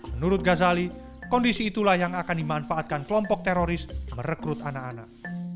menurut ghazali kondisi itulah yang akan dimanfaatkan kelompok teroris merekrut anak anak